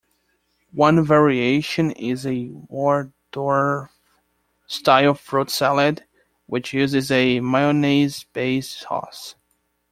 One variation is a Waldorf-style fruit salad, which uses a mayonnaise-based sauce.